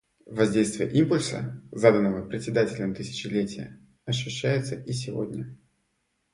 Воздействие импульса, заданного председателем тысячелетия, ощущается и сегодня.